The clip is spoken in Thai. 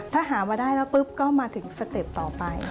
ถ้าหามาได้แล้วปุ๊บก็มาถึงสเต็ปต่อไป